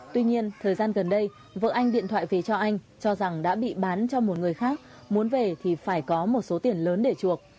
tuy nhiên thời gian gần đây vợ anh điện thoại về cho anh cho rằng đã bị bán cho một người khác muốn về thì phải có một số tiền lớn để chuộc